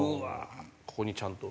ここにちゃんと。